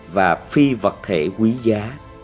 và phi vật thể quý giá